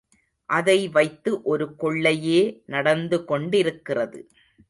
அதை வைத்து ஒரு கொள்ளையே நடந்துகொண்டிருக்கிறது.